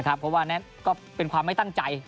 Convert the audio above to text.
นะครับเพราะว่าแนตเป็นความไม่ตั้งใจ